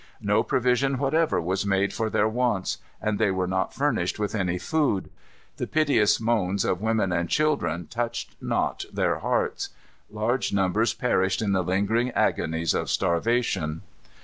No provision whatever was made for their wants, and they were not furnished with any food. The piteous moans of women and children touched not their hearts. Large numbers perished in the lingering agonies of starvation.